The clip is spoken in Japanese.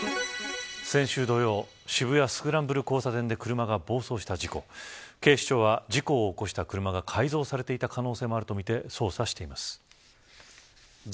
先週土曜渋谷スクランブル交差点で車が暴走した事故警視庁は事故を起こした車が改造されている可能性もあるとみて捜査しています。